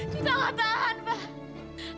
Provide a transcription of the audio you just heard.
juwita gak tahan pak